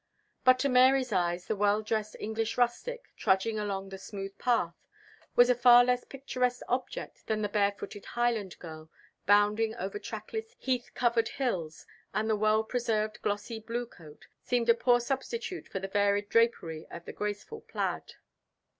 But to Mary's eyes the well dressed English rustic, trudging along the smooth path, was a far less picturesque object than the barefooted Highland girl, bounding over trackless heath covered hills; and the well preserved glossy blue coat seemed a poor substitute for the varied drapery of the graceful plaid.